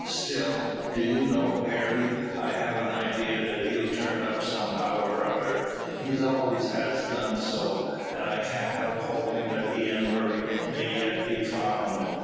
Still, do you know, Harry, I have an idea that he'll turn up somehow or other. He always has done so, and I can't help hoping that he and Murray may yet be found."